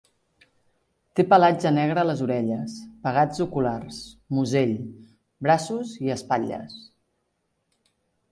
Té pelatge negre a les orelles, pegats oculars, musell, braços i espatlles.